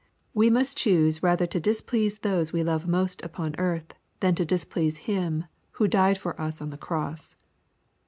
We must choose rather to displease those we love most upon earth, than to displease Him who died for us on the cross.